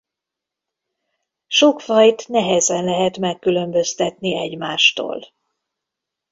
Sok fajt nehezen lehet megkülönböztetni egymástól.